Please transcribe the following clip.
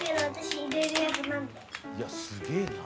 いやすげえな。